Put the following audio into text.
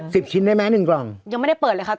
อ๋อสิบชิ้นได้ไหม๑กล่องยังไม่ได้เปิดเลยค่ะ